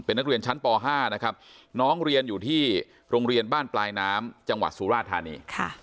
นักเรียนชั้นป๕นะครับน้องเรียนอยู่ที่โรงเรียนบ้านปลายน้ำจังหวัดสุราธานี